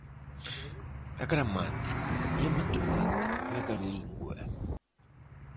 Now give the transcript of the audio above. A gramática é a matemática da língua